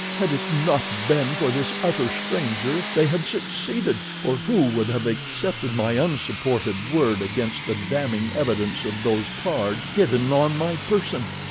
"Had it not been for this utter stranger, they had succeeded, for who would have accepted my unsupported word against the damning evidence of those cards hidden on my person?